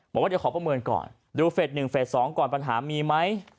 บอกว่าเดี๋ยวขอประเมินก่อนดูเฟส๑เฟส๒ก่อนปัญหามีไหม